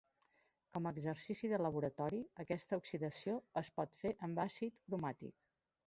Com a exercici de laboratori, aquesta oxidació es pot fer amb àcid cromàtic.